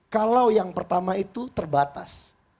kalau yang pertama itu terbatas